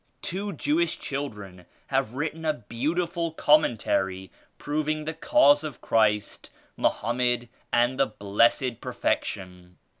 Two Jewish children have written a beautiful commentary proving the Cause of Christ, Mohammed and the Blessec Perfection.